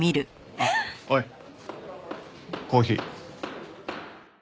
おいコーヒー。